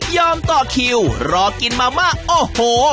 ต่อคิวรอกินมาม่าโอ้โห